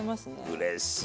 うれしいな。